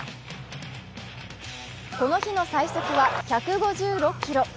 この日の最速は１５６キロ。